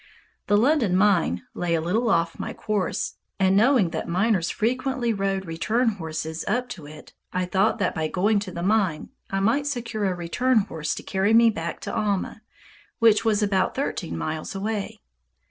The London mine lay a little off my course, and knowing that miners frequently rode return horses up to it, I thought that by going to the mine I might secure a return horse to carry me back to Alma, which was about thirteen miles away.